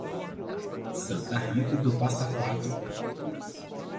Santa Rita do Passa Quatro